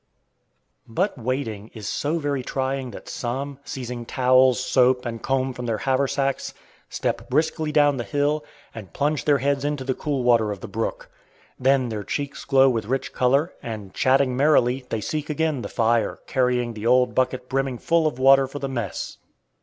But waiting is so very trying that some, seizing towels, soap, and comb from their haversacks, step briskly down the hill, and plunge their heads into the cool water of the brook. Then their cheeks glow with rich color, and, chatting merrily, they seek again the fire, carrying the old bucket brimming full of water for the mess.